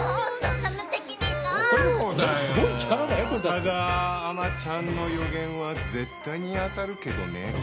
ただアマちゃんの予言は絶対に当たるけどね。